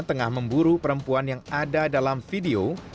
tengah memburu perempuan yang ada dalam video